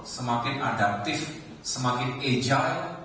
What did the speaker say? semakin adaptif semakin agil